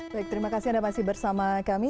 baik terima kasih anda masih bersama kami